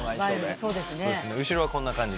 後ろはこんな感じ。